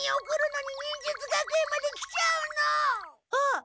あっ！